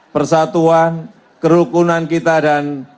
persatuan kerukunan kita dan